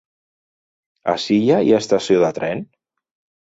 A Silla hi ha estació de tren?